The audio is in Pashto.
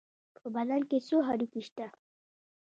په بدن کې څو هډوکي شته؟